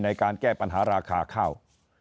ในการแก้ปัญหาราคาข้าว